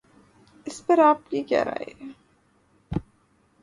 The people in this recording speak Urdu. اس پر آپ کی کیا رائے ہے؟